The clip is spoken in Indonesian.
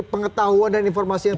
pengetahuan dan informasi yang